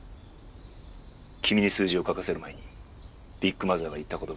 君に数字を書かせる前にビッグマザーが言った言葉だ。